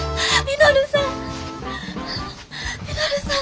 稔さん。